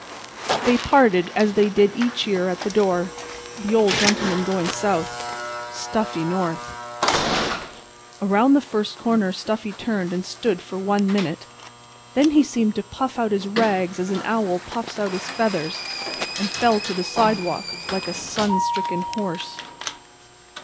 They parted as they did each year at the door, the Old Gentleman going south, Stuffy north. Around the first corner Stuffy turned, and stood for one minute. Then he seemed to puff out his rags as an owl puffs out his feathers, and fell to the sidewalk like a sunstricken horse.